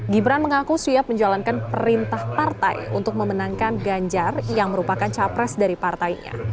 gibran mengaku siap menjalankan perintah partai untuk memenangkan ganjar yang merupakan capres dari partainya